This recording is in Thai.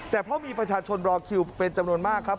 แต่เพราะมีประชาชนรอคิวเป็นจำนวนมากครับ